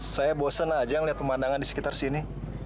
saya bosan aja ngeliat pemandangan di sekitar sini